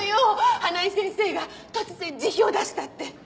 花井先生が突然辞表を出したって！